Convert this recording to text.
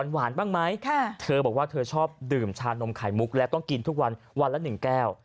บ้างไหมเธอบอกว่าเธอชอบดื่มชานมไข่มุกและต้องกินทุกวันวันละ๑แก้ว